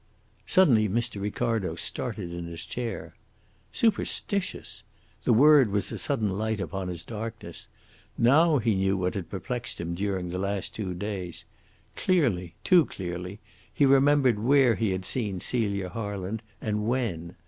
Suddenly Mr. Ricardo started in his chair. Superstitious! The word was a sudden light upon his darkness. Now he knew what had perplexed him during the last two days. Clearly too clearly he remembered where he had seen Celia Harland, and when.